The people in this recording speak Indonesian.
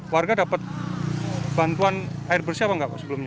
warga dapat bantuan air bersih apa enggak pak sebelumnya